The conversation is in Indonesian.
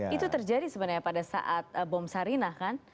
itu terjadi sebenarnya pada saat bom sarinah kan